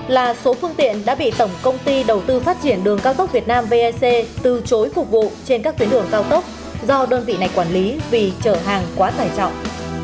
chín sáu trăm sáu mươi ba là số phương tiện đã bị tổng công ty đầu tư phát triển đường cao tốc việt nam vac từ chối phục vụ trên các tuyến đường cao tốc do đơn vị này quản lý vì trở hàng quá tài trọng